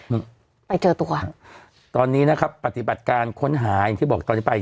ไปเจอตัวตอนนี้นะครับปฏิบัติการค้นหาอย่างที่บอกตอนนี้ไป